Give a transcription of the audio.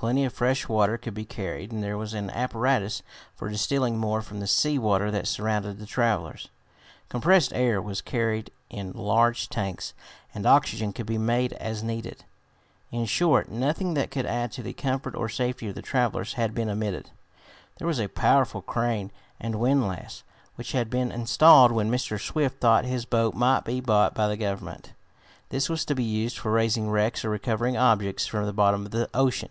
Plenty of fresh water could be carried, and there was an apparatus for distilling more from the sea water that surrounded the travelers. Compressed air was carried in large tanks, and oxygen could be made as needed. In short, nothing that could add to the comfort or safety of the travelers had been omitted. There was a powerful crane and windlass, which had been installed when Mr. Swift thought his boat might be bought by the Government. This was to be used for raising wrecks or recovering objects from the bottom of the ocean.